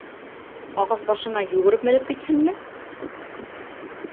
Ағас башына йүгереп менеп китҺенме?